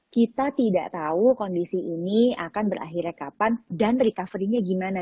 kita tidak tahu kondisi ini akan berakhirnya kapan dan recovery nya gimana